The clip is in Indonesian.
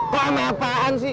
kau sama apaan sih